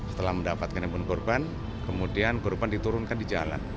setelah mendapatkan handphone korban kemudian korban diturunkan di jalan